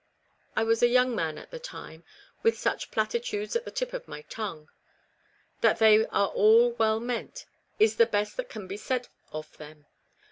I was a young man at the time, with such platitudes at the tip of my tongue. That they are all well meant is the best that can be said of them.